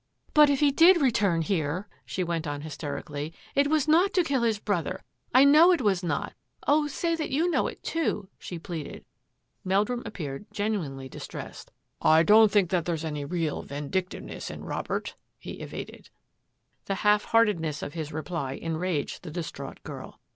" But if he did return here," she went on hys terically, " it was not to kill his brother. I know it was not. Oh, say that you know it, too !" she pleaded. Meldrum appeared genuinely distressed. " I don't think there's any real vindictiveness in Rob ert," he evaded. The half heartedness of his reply enraged the distraught girl.